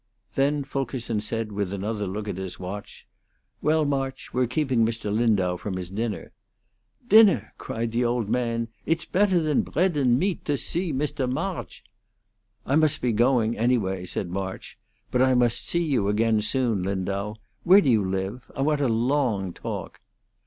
Then Fulkerson said, with another look at his watch, "Well, March, we're keeping Mr. Lindau from his dinner." "Dinner!" cried the old man. "Idt's better than breadt and meadt to see Mr. Marge!" "I must be going, anyway," said March. "But I must see you again soon, Lindau. Where do you live? I want a long talk."